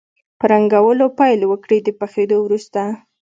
په رنګولو پیل وکړئ د پخېدو وروسته.